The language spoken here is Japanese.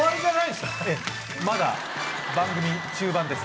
まだ番組中盤です